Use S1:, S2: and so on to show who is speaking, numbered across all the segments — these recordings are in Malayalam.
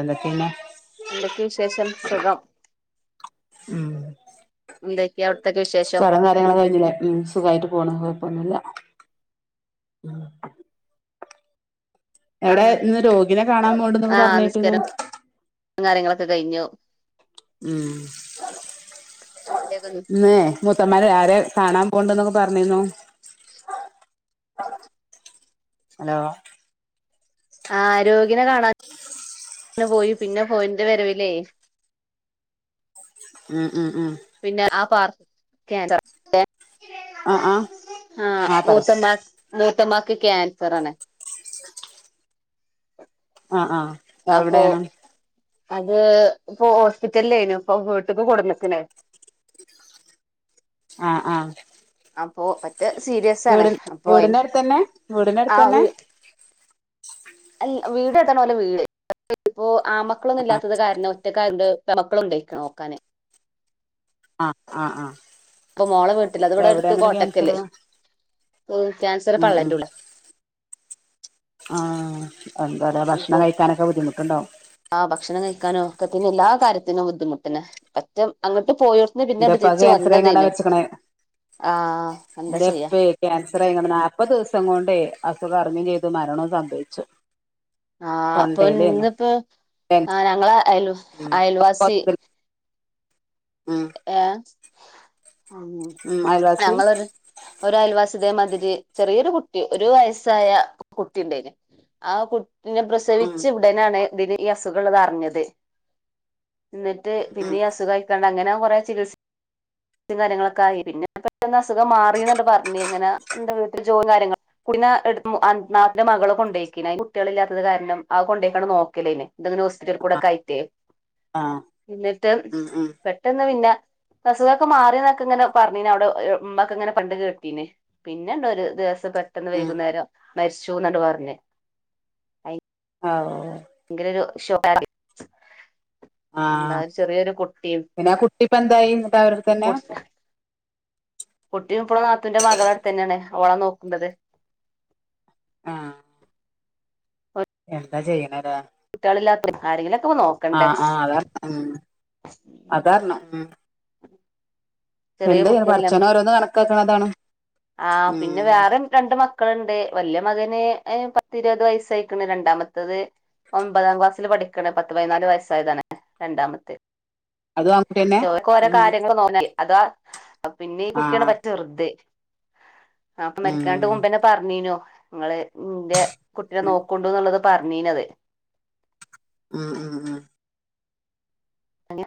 S1: എല്ലാത്തീമേ
S2: എന്തൊക്കെയ വിശേഷം സുഖം
S1: ഉം
S2: എന്തൊക്കെയ അവിടത്തേക്കെ വിശേഷം
S1: [unintelligible] സുഖായിട്ട് പൊന്നു കൊഴപോന്നുല്ല
S2: ആ
S1: എവിടെ ഇന്ന് രോഗിനെ കാണാൻ പോകണ്ടന്നൊക്കെ
S2: ആ
S1: പറഞ്ഞിട്ടിന്ന്
S2: നിസ്കാരം കാര്യങ്ങളൊക്കെ കഴിഞ്ഞു
S1: ഉം
S2: [inaudible]
S1: മുത്തന്മാര് ആരെ കാണാൻ പോണ്ട എന്നൊക്കെ പറഞ്ഞിന്നു ഹലോ
S2: ആ ആരോഗ്യന കാണാൻ പോയി പിന്നെ പോയിന്ത് വരവല്ലേ
S1: ഉം ഉം ഉം
S2: പിന്നെ ആ പാർ ക്ക് ഏ
S1: ആഹ് ആഹ്
S2: ആഹ് മൂത്തമാ മൂത്തമാക്ക് ക്യാൻസർണ
S1: ആഹ് ആഹ്
S2: അപ്പൊ
S1: എവിടെയാണ്
S2: അത് ഇപ്പൊ ഹോസ്പിറ്റലേയിനു ഇപ്പൊ വീട്ടക്ക് കുട്ന്ന്ക്ക്‌ണ്
S1: ആഹ് ആഹ്
S2: അപ്പൊ പറ്റേ സീരിയസ ആാണ്
S1: വീട്
S2: അപ്പോ അയിന്
S1: വീടിന്റെ അടുത്തന്നെ വീടിന്റെ
S2: ആ
S1: അടുത്തന്നെ
S2: ഉ വീട് എതാണ് ഓല വീട് ഇപ്പോൊ ആമക്കളൊന്നും ഇല്ലാത്തത് കാരണം ഒറ്റക്കാരുണ്ട് മക്കള ഉണ്ടായിരിക്കണം നോക്കാനെ
S1: ആഹ് ആഹ് അ
S2: അപ്പൊ മോളെ വീട്ടില്ല അത് ഇവിടെ അടുത്ത്
S1: ക്യാൻസർ
S2: കോട്ടക്കല്ലേ
S1: ഉം
S2: ക്യാൻസർ പള്ളന്റെ
S1: ഉം
S2: ഉള്ളുലു
S1: ആഹ് എന്താറയാ ഭക്ഷണം കഴിക്കാനൊക്കെ ബുദ്ധിമുട്ടുണ്ടാവോ
S2: ആഹ് ഭക്ഷണം കഴിക്കാനോ ഒക്കെത്തിന്നെ എല്ലാ കാര്യത്തിനും ബുദ്ധിമുട്ടിന് പറ്റേ അങ്ങോട്ട് പോയ [unintelligible] പിന്നോട്
S1: എന്റെപ്പാക്ക്
S2: തിരിച്ച്
S1: ക്യാൻസർ ആയിങ്ങാണ്ടാ
S2: വന്നതനു
S1: മരിച്ച്ക്ക്ണേ
S2: ആഹ് എന്താ ചെയ്യാ
S1: ക്യാൻസർയിങ്ങണ്ട് നാല്പത് ദിവസം കൊണ്ടേ അസുഖം അറിഞ്ഞും ചെയ്തു മരണംവും സംഭവിച്ചു
S2: ആഹ് പ്പൊ
S1: തൊണ്ടയിലേന്നു
S2: ഇന്ന്പ്പോ ആഹ് ഞങ്ങള അയൽ
S1: ഉം
S2: അയൽവാസി
S1: ഉം
S2: ഏ ഉം
S1: ഉം അയൽവാസി
S2: ഞങ്ങളൊരു ഒരയൽവാസിതേമാതിരി ചെറിയൊരു കുട്ടി ഒരു വയസായ കുട്ടി ണ്ടേനി ആകുട്ടിനെ
S1: ഉം
S2: പ്രസവിച്ച ഉടനാണ് ഇതിന് ഈ അസുഖങ്ങള്തർഞ്ഞത് ന്നിട്ട്
S1: ഉം
S2: പിന്നീ അസുഖയിക്കാണ്ട് അങ്ങനെ കൊറെ ചികിത്സ യും കാര്യങ്ങളൊക്കായി. പിന്നെ പെട്ടൊന്ന് അസുഖം മാറി ന്നണ്ട് പറഞ്. ഇങ്ങനെ എന്താ വിധത്തിൽ ജോും കാര്യങ്ങള കുടി നാട്ടന്റെ മകള് കൊണ്ടോയിക്ക കുട്ടികള ഇല്ലാത്തത് കാരണം ആഹ് കൊണ്ടോയ്ക്കാണ് നോക്കിയലേ ഐനെ എന്തെങ്കിലും ഓസ്പിറ്റൽ കൂടെക്കെയറ്റേ
S1: ആഹ്
S2: എന്നിട്ട്
S1: ഉം ഉം
S2: പെട്ടെന്ന് പിന്നെ ങ്ങക്ക് മാറി ന്നൊക്കെങ്ങനെ പർഞ്ഞീ നി അവിടെ ഉമ്മ ഇങ്ങനെ പണ്ട് കേട്ടീന് പിന്നെണ്ട് ഒരു ദിവസ് പെട്ടെന്ന്
S1: ഉം
S2: വൈകുന്നേരം മരിച്ചു ന്നണ്ട് പർഞ്
S1: ആവോ
S2: ഭയങ്കര ഒരു [inaudible] ന്ന്
S1: ആഹ്
S2: ഒരു ചെറിയൊരു കുട്ടിം
S1: പിന്നെ ആ കുട്ടി ഇപ്പ എന്തായി എന്നിട്ട് അവരുടെ തന്നെ
S2: കുട്ടിയും ഇപ്പളും നാത്തൂന്റെ മകളട്ത്തന്നേണ്. ഓള നോക്ക്‌ ണ്ടത്
S1: ആഹ് എന്താ ചെയ്യണലേ
S2: കുട്ട്യാളില്ലാത്ത ആരെങ്കിലൊക്കെ നോക്കണ്ടേ
S1: ആഹ് അതാ ഉം
S2: [inaudible]
S1: അതാരണം
S2: ചെറിയ
S1: എന്ത യ്യ
S2: കുട്ടിയല്ലേ
S1: പട്ച്ചോനോരോന്ന് കണക്കാക്ക്‌ണതാണ്
S2: ആഹ് പിന്നെ വേറിം രണ്ട് മക്കള്ണ്ട് വല്യ മകന് പത്തിരുപത് വയസ്സായിക്ക്‌ണ് രണ്ടാമത്തത് ഒമ്പതാം ക്‌ളാസ്സില് പഠിക്കണ്. പത്ത് പയ്നാല് വയസ്സായതണ്. രണ്ടാമത്തെ
S1: അതും ആൺകുട്ടിയന്നെ
S2: [unintelligible] കാര്യങ്ങൾ [unintelligible] അതാ പിന്നെ ഈ കുട്ടിയാന്ന്
S1: ആഹ്
S2: പറ്റചെർത് ആഹ് അപ്പ
S1: ഉം
S2: മരിക്കാണ്ട് കൊണ്ട് വന്ന മുമ്പന്നെ പറഞ്ഞീനോ നിങ്ങള് നിന്റെ കുട്ടിനെ നോക്കണ്ടു എന്നുള്ളത് പർഞ്ഞീനത്
S1: ഉം ഉം ഉം
S2: അല്ല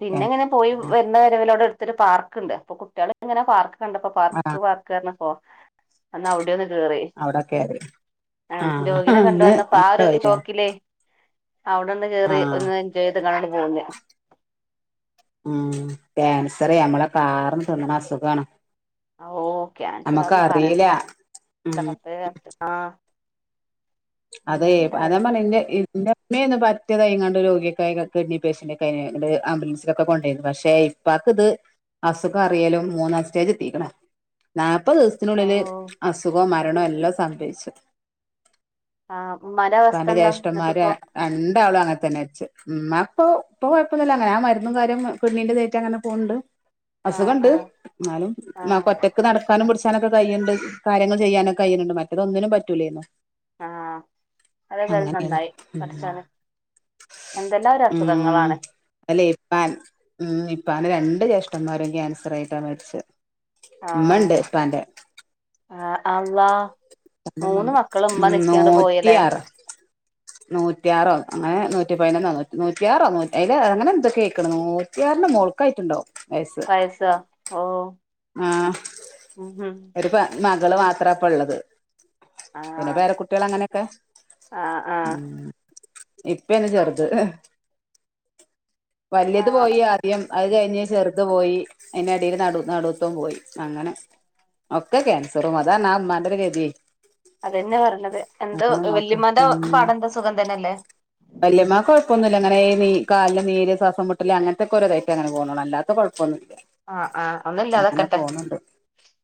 S2: പിന്നെ ഇങ്ങനെ പോയി വരുന്ന വരെ ലോര എടുത്ത് ഒരു പാർക്കണ്ട് അപ്പൊ കുട്ടികള് ഇങ്ങനെ പാർക്ക് കണ്ടപ്പോ
S1: ആഹ്
S2: പാർക്ക് പാർ കേന്ന പോ എന്നാ അവിടെ എന്ന് കേറി.
S1: അവിടൊക്കെ ആര്
S2: ആഹ്‌
S1: ആഹ്
S2: രോഗിനെ കണ്ട്
S1: ഇന്ന്
S2: വന്നപ്പോ ആ
S1: അങ്ങട്ട്
S2: ഒരു
S1: പോയില്ലേ
S2: പോക്കില് അവിടൊന്ന് കേറി
S1: ആഹ്
S2: ഒന്ന് എൻജോയ് ചെയ്ത്ക്കാണ്ട് പോന്ന്
S1: ആഹ് ക്യാൻസറെ അമ്മളെ കാർന്ന് തിന്ന്ണസുഖാണ്
S2: ആ ഓ ക്യാൻസറാന്ന് പറൺ
S1: അറിയില്ല
S2: ന്റെ
S1: ഉം
S2: റബ്ബേ ആഹ്‌
S1: അതെ പ്പ അതേ പറഞ്ഞ ന്റെ എന്റെ മ്മേ ഒന്ന് പറ്റിയത ഇങ്ങാണ്ട് രോഗിയ ഒക്കെ കിഡ്നി പേഷ്യന്റ് ഒക്കെ കൊണ്ട് ആംബുലൻസി ഒക്കെ കൊണ്ടേരുന്നു പക്ഷെ ഇ പ്പാക്ക്ത് അസുഖം അറിയലും മൂന്നാം സ്റ്റേജെത്തീക്ക്‌ണ് നാപ്പത്
S2: ഓ
S1: ദിവസത്തിനുള്ളില് അസുഖോ മരണോം എല്ലോം സംഭവിച്ച്
S2: ആഹ്‌ പ്പമ്മാന്റെ
S1: ഇപ്പാന്റെ
S2: അവസ്ഥന്താ
S1: ജ്യേഷ്ഠന്മാര്
S2: ന്നട്ട്പ്പോ
S1: രണ്ടാളും അങ്ങനെ തന്നെ മരിച്ചത് ഉം അപ്പോ ഇപ്പൊ കോയപ്പൊന്നും ഇല്ല അങ്ങനെ ആ മരുന്നും കാര്യം കുഞ്ഞിന്റ് തേച്ച് എങ്ങാനും പൊണ്ട്
S2: ആഹ്
S1: അസുഖണ്ട്
S2: ആഹ്
S1: ന്നാലും
S2: ആഹ്
S1: നമ്മുക്ക് ഒറ്റക്ക് നടക്കാനും പിടിച്ച് ക്കാനൊക്കെ കയ്യ്ണ്ട്. കാര്യങ്ങൾ ചെയ്യാനൊക്കെ കയ്യ്ണ് ണ്ട്. മറ്റതൊന്നിനും പറ്റൂലേന്നു
S2: ആഹ്‌ അതേതായാലും
S1: അങ്ങനെന്നു
S2: നന്നായി. പട്ചോനെ എന്തെല്ലാം ഒരസുഖങ്ങളാണ്
S1: അല്ലേ ഇപ്പാൻ ഉം ഇപ്പാന്റെ രണ്ട് ജേഷ്ഠന്മാരും ക്യാൻസറായിട്ടാ മര്ച്ചത് മ്മണ്ട് പ്പാന്റെ
S2: ആഹ്‌ അള്ളാ
S1: ഇപ്പാന്റെ
S2: മൂന്ന്
S1: ഇമ്മണ്ട്
S2: മക്കള് മ്മ
S1: ഉം
S2: നിക്കെ അങ്ങട് പോയിലേ
S1: നൂറ്റിയാറ് നൂറ്റിയാറോ അങ്ങനെ നൂറ്റി പയ്നൊന്നോ നൂറ്റിയാറോ അയ്ലേ അങ്ങനെ എന്തൊക്കേഅയ്ക്ക്‌ണ് നൂ റ്റി ആറിന്റെ മോൾക്ക് ആയിട്ട്ണ്ടാവും വയസ്സ്
S2: എസ ഓ
S1: ആ
S2: ഉം ഉം
S1: ഒരു പ മകള് മാത്ര ഇപ്പള്ളത് പിന്നെ
S2: ആഹ്
S1: പേരക്കുട്ടികൾ അങ്ങനെക്കെ
S2: ആഹ് ആഹ്
S1: ഉം. ഇപ്പ അന്നെ ചെറുത് വലിയത് പോയി ആദ്യം അത് കഴിഞ്ഞ് ചെറുത് പോയി അയിനടീൽ നടു നടു ട്ടോ കോയി അങ്ങനെ ഒക്കെ ക്യാൻസറും അതാ ന ഉമ്മാന്റെ ഒരു ഗതിയെ
S2: അതെന്നെ പറഞ്ഞത് എന്താ
S1: നോക്കാം
S2: വല്യമാത
S1: ഉം
S2: പാടന്ത സുഖം തന്നെ അല്ലേ
S1: വല്യമ്മാക്ക് കുഴപ്പൊന്നും ഇല്ല അങ്ങനെ നീ കാലിൽ നീര് ശ്വാസം മുട്ടല് അങ്ങനത്തെ ഒക്കെ ഒരേ രേ ഇതായിട്ട് അങ്ങനെ പോണ് ഒള്ളൂ അല്ലാത്ത കുഴപ്പൊന്നുല്ല്യ
S2: ആഹ്‌ ആഹ്‌.
S1: അങ്ങനെ പോുന്നുണ്ട്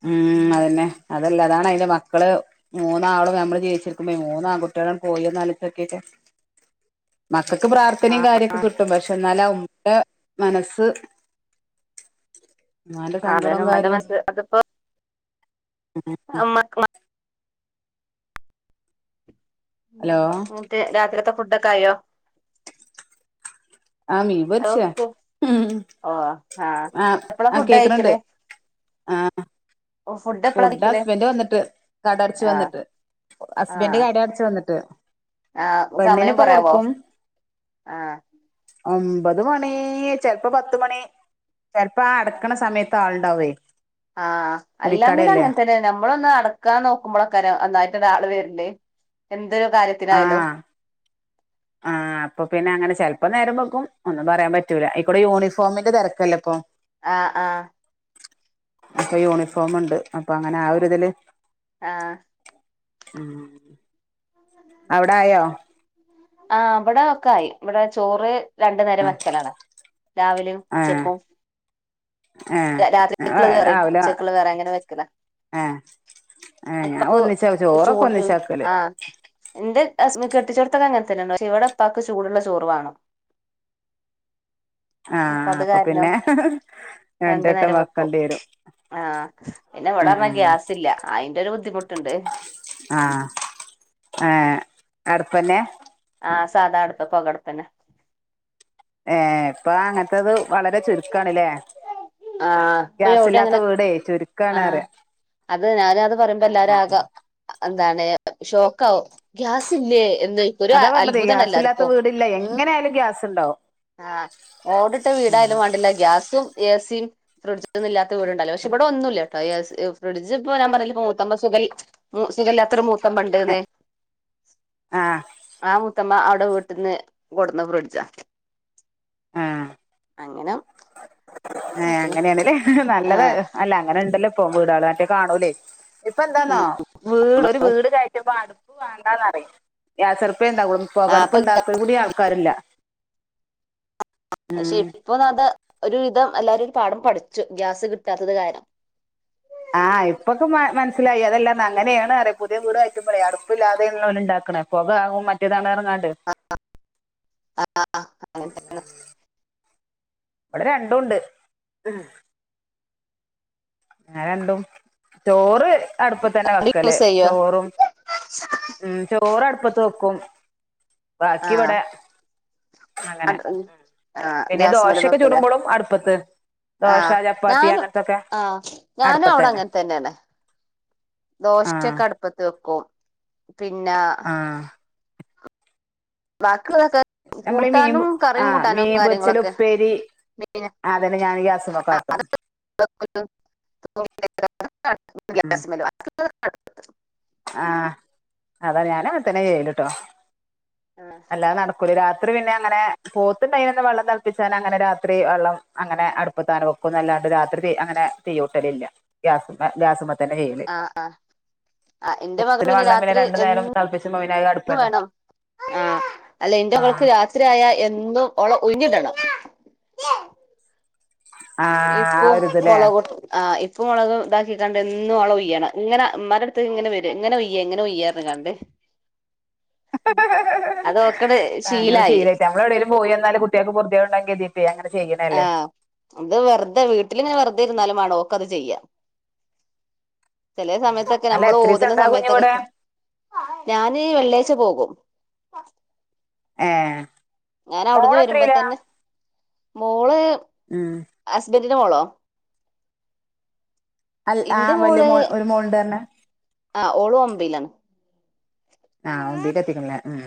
S1: ഉം അതന്നെ അതല്ല അതാണ് അതിന്റെ മക്കള് ഏ മൂന്നാള് നമ്മള് ജീവിച്ചിറിക്കുമ്പ മൂന്ന് ആൺകുട്ടികളും പോയില്ലേ എന്ന് ആലോചിച്ച് നോക്കികെ മക്കൾക്ക് പ്രാർത്ഥനയും കാര്യോ ഒക്കെ കിട്ടും പക്ഷെ എന്നാല ഉമ്മ മനസ്സ് എന്നാലു
S2: ആ അതെന്ന ഉമ്മാന്റെ മനസ് അതിപ്പോ
S1: ഉം ഉം.
S2: ഉമ്മ
S1: ഹലോ
S2: തെ രാത്രിത്തെ ഫുഡ്‌ ഒക്കെ ആയോ
S1: ആ മീൻ
S2: അതോ
S1: പൊരിച്ച ഉം
S2: ഓ ആഹ്
S1: ആ
S2: എപ്പളാ
S1: ആ
S2: ഫുഡ്
S1: കേക്കണണ്ട്
S2: കഴിക്കല്
S1: ആഹ്
S2: എപ്പളാ
S1: ഫുഡ്
S2: കഴിക്കല്
S1: ഹസ്ബന്റ് വന്നിട്ട് കട അടച്ച്
S2: ആഹ്
S1: വന്നിട്ട് ഹസ്ബന്റ്
S2: ആഹ്
S1: കട അടച്ച് വന്നിട്ട്
S2: ആഹ് സമയം
S1: പെണ്ണിനിപ്പോ
S2: പറയാവോ
S1: കൊടുക്കും
S2: ആഹ്‌.
S1: ഒമ്പത് മണി ചെലപ്പോ പത്ത മണി ചെലപ്പോ അടക്കണ സമയത്ത് ആളുണ്ടാവേ
S2: ആ അല്ലെങ്കില്
S1: തുണിക്കടയല്ലേ
S2: അങ്ങനെ തന്നെ നമ്മള് ഒന്ന് അട ക്ക നോക്കുമ്പോള് ഒക്കെ അങ്ങന നന്നായിട്ട് ഒരാള് വേരില് എന്തൊരു കാര്യത്തിനായാലോ
S1: ആഹ്‌. അപ്പൊ പിന്നെ അങ്ങനെ ചെലപ്പോ നേരം വെക്കും ഒന്നും പറയാൻ പറ്റൂലാ ഈ കൂടീ യൂണിഫോമിന്റെ തെരക്കല്ല ഇപ്പൊ
S2: ആഹ് ആഹ്
S1: അപ്പൊ യൂണിഫോമ്ണ്ട് അപ്പൊ അങ്ങനെ ആ ഒരു ഇതില്
S2: ആഹ്
S1: ഉം അവിടായോ
S2: ആ അവിടെ ഒക്ക ആയി ഇവിടെ ചോറ് രണ്ടു നേരം
S1: ആ
S2: വെക്കലാണ് രാവിലെയും ഉച്ചക്കും
S1: ആ ആ
S2: രാത്രിക്കള് വേറയും
S1: രാവിലെ
S2: ഉച്ചക്കള് വേറെ അങ്ങനെ വെക്കലാ
S1: ആ ആ ഞാൻ
S2: ഉപ്പക്ക്
S1: ഒന്നിച്ചാ ചോറൊക്കെ
S2: ചൂട്ന്
S1: ഒന്നിച്ചാക്കല്
S2: ആഹ് എന്റെ ഹസ്ന് കെട്ടിച്ചോർത്തൊക്കെ അങ്ങനെ തന്നെയാ പക്ഷേ ഇവിടത്താക്ക് ചൂടുള്ള ചോറ് വാണം.
S1: ആഹ്
S2: അത്
S1: അപ്പൊ
S2: കാരണം
S1: പിന്നെ
S2: രണ്ടു
S1: രണ്ടെട്ടം
S2: നേരം വെക്കും
S1: വക്കണ്ടി വരും
S2: ആഹ് പിന്നെ ഇവിടെ പിന്നാ
S1: ഉം
S2: ഗ്യാസില്ല അതിന്റെ ഒരു ബുദ്ധിമുട്ടുണ്ട്
S1: ആഹ് ആഹ്‌ അടുപ്പന്നെ
S2: ആഹ് സാധാ അടുപ്പ പുകട്പ്പന്നെ
S1: ഏ ഇപ്പൊ അങ്ങനത്തത് വളരെ ചുരുക്കാണലേ
S2: ആഹ് ഇപ്പൊ എവിടെ
S1: ഗ്യാസില്ലാത്ത
S2: അങ്ങനെ
S1: വീടെ
S2: ആഹ്
S1: ചുരുക്കാണെന്നറയാ
S2: അത് ഞാനും അത് പറയുമ്പോ എല്ലാരും ആകാം എന്താണ് ഷോക്ക് ആവു ഗ്യാസ് ഇല്ലേ എന്ന് ഒരു
S1: അതാ പറഞ്ഞത് ഗ്യാസില്ലാത്ത
S2: അത്ഭുതാനാല്ലാർക്കു
S1: വീടില്ല എങ്ങനെ ആയാലും ഗ്യാസ് ഉണ്ടാവും
S2: ആഹ് ഓടിട്ട വീടായാലും വേണ്ടില്ല ഗ്യാസും ഏസിയും ഫ്രിഡ്ജൊന്നും ഇല്ലാത്ത വീടുണ്ടല്ലോ പക്ഷെ ഇവിടെന്നുല്ല കേട്ടോ ഫ്രിഡ്ജ്പ്പ ഞാൻ പറഞ്ഞില്ലപ്പ മൂത്തമ്മ സുഖൽ സുഖല്ലാത്തൊരു മൂത്തമ്മണ്ട്ന്ന്
S1: ആ
S2: ആ മൂത്തമ്മ അവിടെ വീട്ടിൽന്ന് കൊടുന്ന ഫ്രിഡ്ജാ.
S1: ആ
S2: അങ്ങനെ
S1: ഏ
S2: ആക്കണ്
S1: അങ്ങനെയാണ്ല്ലേ നല്ലത്
S2: ആഹ്
S1: അല്ല അങ്ങനെ ഉണ്ടല്ലോ ഇപോം വീടാള് മറ്റേ കാണൂല്ലേ ഇപ്പ എന്താന്നോ
S2: ഉം
S1: വീട് ഒരു വീട് കയറ്റുമ്പം അടു വേണ്ടാന്നറയും ഗ്യാസടുപ്പേണ്ടാകൂള്ളു
S2: ആഹ്
S1: പൊകടുപ്പ്
S2: അപ്പൊ
S1: ഇണ്ടാക്കാൻ കൂടി ആൾക്കാരില്ല
S2: പക്ഷെ
S1: ഉം
S2: ഇപ്പൊ അത് ഒരുവിധം എല്ലരും ഒരു പാഠം പഠിച്ചു ഗ്യാസ് കിട്ടാത്തത് കാരണം
S1: ആഹ് ഇപ്പൊക്കെ മനസ്സിലായി അതല്ലാന്ന് അങ്ങനെയാണ് അറിയ പുതിയ വീട് വയ്ക്കുമ്പോഴേ അടുപ്പില്ലാതെലെ ഉണ്ടാക്കണ് പൊക ആകും മറ്റേതാണ് പറഞ്ഞ് ങ്ങാണ്ട്
S2: ആഹ്
S1: ഇവിടെ രണ്ടും ഉണ്ട് രണ്ടും ചോറ് അടുപ്പത്ത് തന്നെ വെക്കല് ചോറും
S2: ആ [unintelligible]
S1: ഉം ചോറ് അടുപ്പത്ത് വെക്കും ബാക്കിവിടെ
S2: ആ
S1: പിന്നെ
S2: ഗ്യാസ് മേല്
S1: ദോശയൊക്കെ
S2: വെക്കു ലേ
S1: ചുടുമ്പോഴും അടുപ്പത്ത് ദോശ
S2: ആഹ്
S1: ചപ്പാത്തി
S2: ഞാനും
S1: അങ്ങനത്തൊക്കെ
S2: ആഹ ഞാനും അവിടെ
S1: അടുപ്പത്തന്നെ
S2: അങ്ങനെ തന്നെയാണ്
S1: ആഹ്
S2: ദോശൊക്കെ അടുപ്പത്ത് വെക്കും പിന്നെ
S1: ആഹ്
S2: ബാക്കിയുള്ളതെക്ക
S1: നമ്മള് മീൻ ആഹ് മീൻ പൊരിച്ചല്
S2: കാര്യങ്ങളൊക്കെ
S1: ഉപ്പേരി ആ അതന്നെ ഞാനും ഗ്യാസ്മെക്കാട്ടും
S2: ഗ [unintelligible] ഗ്യാസ് മെല്
S1: ആഹ അതാണ് ഞാനും അങ്ങനെത്തനെ ചെയല്ട്ടോ അല്ലാതെ നടക്ക രാത്രി പിന്നെ അങ്ങനെ പോത്ത് ഉണ്ടായിരുന്ന അന്ന് വെള്ളം തിളപ്പിച്ചാ അങ്ങനെ രാത്രി വെള്ളം അങ്ങനെ അടു അപ്പ താന വെക്കൊന്ന അല്ലാണ്ട് രാത്രി ത അങ്ങനെ തിയ്യൂട്ടലില്ല ഗ്യാ ഗ്യാസുമേ തന്നെ ചെയ്യും
S2: ആഹ് ആഹ് എന്റെ മകന് പിന്നെ
S1: വെള്ളം
S2: രാത്രി
S1: രണ്ടു നേരം തിളപ്പിച്ചുമ്പോ പിന്നെ അത്
S2: എന്ന്
S1: അടുപ്പന്നെ
S2: വേണം ആ അല്ല എൻ്റെ മോൾക്ക്
S1: ആഹ്
S2: രാത്രിയയാ എന്നും ഓളെ ഉഴിഞ്ഞിടണം
S1: ആഹ് ആ
S2: ഉപ്പും
S1: ഒരിത് ല്ലേ
S2: മൊളകും ആ ഇപ്പുംമുളകും ഇതാക്കി കൊണ്ട് എന്നും അവളെ ഉയ്യണം ഇങ്ങനെ ഉമ്മൻറ്റ് അടുത്ത് ഇങ്ങനെ വരും ഇങ്ങനെഉയ്യ ഇങ്ങനെ ഉയ്യ അത്കണ്ട് അത് ഓക്കട്
S1: അങ്ങനെ ശീലായി നമ്മളെവിടേലും പോയിവന്നാലും കുട്ട്യാക്ക് പൊർത്യേട്ഉണ്ടാകും കേര്ത്തിട്ട്
S2: ആ
S1: അങ്ങനചെയ്ണല്ലേ
S2: അത് വെറുതെവീട്ടിലിങ്ങനെ വെറുതിരുന്നാലുംമാണോഓക്കത് ചെയ്യ ചെലേസമയത്തൊക്കെ
S1: അല്ല എത്രീസം
S2: നമ്മള്ഓത്ണ
S1: ഇണ്ടാ കുഞ്ഞ് ഇവിടെ
S2: സമയത്തൊക്കെ ഞാന് വെള്ളിയാഴ്ച്ച പോകും
S1: ഏഹ്
S2: ഞാന് ഔട്ന്ന
S1: മോളെത്രയിലാ
S2: വരുമ്പോതന്നെ മോള്
S1: ഉം
S2: അസ്ബന്റിന്റെമോളോ
S1: അൽ ആ
S2: ഇന്റെ മോള്
S1: വല്ല്യമോൾ ഒരുമോള്ണ്ട് പറഞ്ഞ്
S2: ആ ഓള് ഒബ്ബിലാണ്
S1: ആഹ് ഒബ്ബീല്എത്തിക്ക്ണ്ല്ലേ ഉം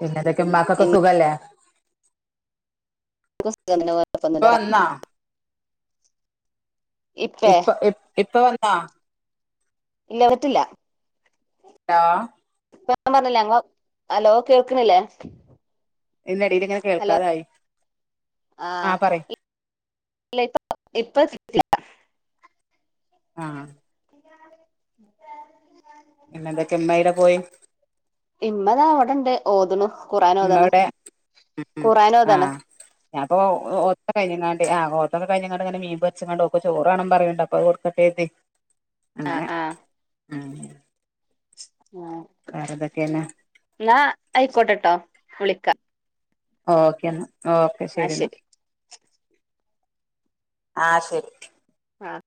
S1: പിന്നെന്തൊ മ്മാക്കൊക്കെ സുഖല്ലേ
S2: ന്ക്ക്
S1: ഇപ്പ
S2: ഇഷ്ട
S1: വന്നാ
S2: [unintelligible] ഇപ്പേ
S1: ഇപ്പഇ ഇപ്പ വന്നാ
S2: ഇല്ലപറ്റില്ല
S1: ഹലോ
S2: [unintelligible] പറഞ്ഞില്ലേ അലോ കേൾക്ക്ണില്ലേ
S1: ഇല്ലടി ഇത്ങ്ങനെ കേൾക്കാതായി
S2: ആ
S1: ആപറി
S2: ഇല്ല ഇപ്പ ഇപ്പ [unintelligible]
S1: ആഹ് പിന്നെന്തൊക്കെഇമ്മയ്ടെ പോയി
S2: ഇമ്മതാവടെണ്ട് ഓതുണു ഖുർആൻ
S1: ഉമ്മ
S2: ഓതാണ് ഖുർആൻ ഓതാണ്
S1: ഞാപ്പോഓത്തോക്കെകഴിഞ്ഞങ്ങാണ്ട് ആ ഓത്തൊക്കെ കഴ്ഞ്ങ്ങാണ്ട് ങ്ങനെമീപോര്ച്ച്ങ്ങാണ്ട് ഓക്ക്ചോറാണംപറയണ്ട് അപ്പൊഅത് കൊട് പ്പത്തേത്തി
S2: ആ
S1: അങ്ങനെ
S2: ആ
S1: ആഹ്
S2: ആഹ്
S1: വേറെന്തൊക്കെണ്
S2: ന്നാആയ്ക്കോട്ടട്ടോ വിളിക്ക
S1: ഓക്കെ ന്നാ ഓക്കെ
S2: ആ
S1: ശെരി ന്നാ
S2: ശരി
S1: ആ ഹ്ശെരി
S2: ആഹ്